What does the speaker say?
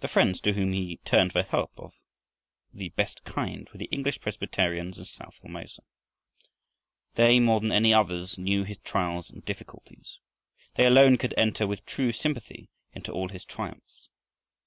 The friends to whom he turned for help of the best kind were the English Presbyterians in south Formosa. They, more than any others, knew his trials and difficulties. They alone could enter with true sympathy into all his triumphs.